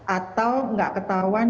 atau gak ketahuan